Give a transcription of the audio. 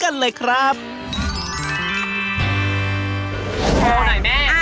น๊าวหน่อยแม่ช่วยนะครับใช่แล้วอะไรเป็น